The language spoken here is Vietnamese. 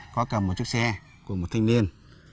có cầm một chiếc xe của một thanh niên